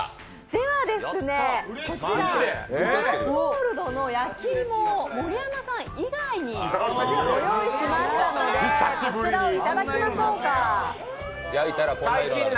では、こちらマロンゴールドの焼き芋を盛山さん以外にご用意しましたのでこちらをいただきましょうか。